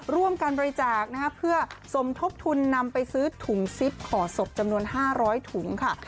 ร่วมกันบริจาคเพื่อสมทบทุนนำไปซื้อถุงซิปห่อศพจำนวน๕๐๐ถุงค่ะ